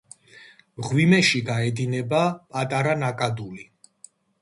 მღვიმეში გაედინება პატარა ნაკადული.